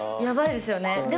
ヤバいですよね。